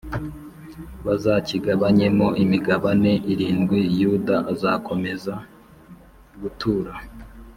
Bazakigabanyemo imigabane irindwi Yuda azakomeza gutura